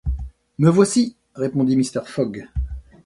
Me voici, répondit Mr. Fogg.